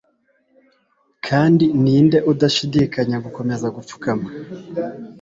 kandi ninde udashidikanya gukomeza gupfukama